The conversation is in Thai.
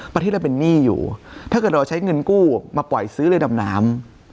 ประเทศเราเป็นหนี้อยู่ถ้าเกิดเราใช้เงินกู้มาปล่อยซื้อเรือดำน้ำ